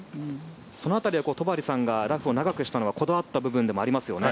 その辺りは戸張さんがラフを長くしたのはこだわった部分でもありますよね。